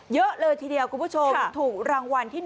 เยอะเลยทีเดียวคุณผู้ชมถูกรางวัลที่๑